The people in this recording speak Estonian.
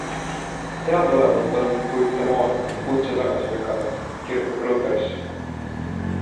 Teadaolevalt on Puigdemont kutse tagasi lükanud, kirjutab Reuters.